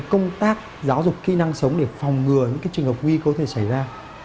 công tác giáo dục kỹ năng sống để phòng ngừa những trường hợp nguy cơ có thể xảy ra